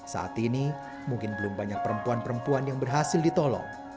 saat ini mungkin belum banyak perempuan perempuan yang berhasil ditolong